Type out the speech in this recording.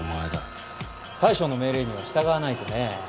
大将の命令には従わないとね。